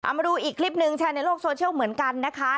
มาดูอีกคลิปหนึ่งแชร์ในโลกโซเชียลเหมือนกันนะคะ